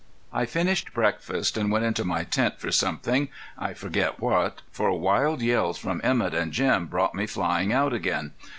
I finished breakfast and went into my tent for something I forget what, for wild yells from Emett and Jim brought me flying out again.